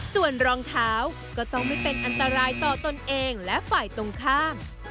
ส่วนรองเท้าก็ต้องไม่เป็นอันตรายต่อตนเองและฝ่ายตรงข้าม